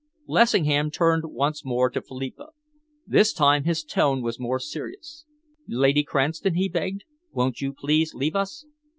Lessingham turned once more to Philippa. This time his tone was more serious. "Lady Cranston," he begged, "won't you please leave us?"